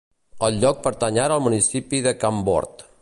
El lloc ara pertany al municipi de Chambord.